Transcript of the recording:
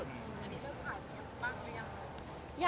อันนี้เรื่องถ่ายคลิปบ้างหรือยัง